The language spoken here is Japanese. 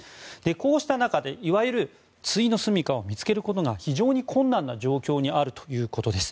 こうした中でいわゆる終の棲家を見つけることが非常に困難な状況にあるということです。